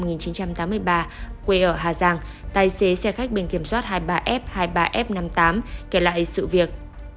năm một nghìn chín trăm tám mươi ba quê ở hà giang tài xế xe khách biển kiểm soát hai mươi ba f hai mươi ba f năm mươi tám kể lại sự việc